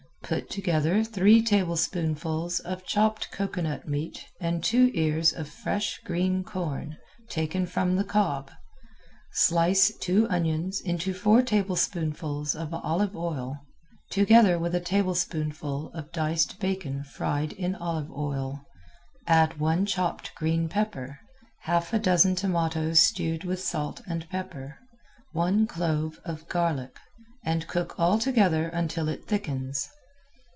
Put together three tablespoonfuls of chopped cocoanut meat and two ears of fresh, green corn, taken from the cob. Slice two onions into four tablespoonfuls of olive oil, together with a tablespoonful of diced bacon fried in olive oil, add one chopped green pepper, half a dozen tomatoes stewed with salt and pepper, one clove of garlic, and cook all together until it thickens.